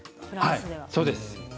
そうです。